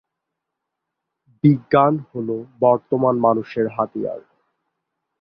বিজ্ঞান হল বর্তমান মানুষের হাতিয়ার।